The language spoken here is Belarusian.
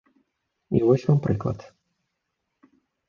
І вось вам прыклад.